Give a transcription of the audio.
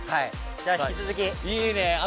じゃあ引き続き。